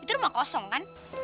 itu rumah kosong kan